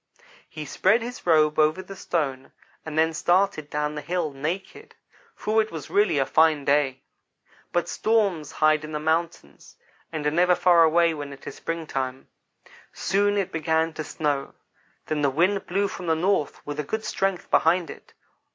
"He spread his robe over the stone, and then started down the hill, naked, for it was really a fine day. But storms hide in the mountains, and are never far away when it is springtime. Soon it began to snow then the wind blew from the north with a good strength behind it.